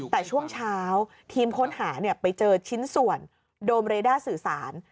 แต่ช่วงเช้าทีมค้นหาไปเจอชิ้นส่วนโดมเรด้าสื่อสาร